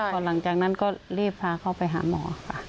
พอหลังจากนั้นก็รีบพาเขาไปหาหมอค่ะ